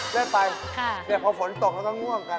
จะไปแต่พอฝนตกเราต้องม่วงกัน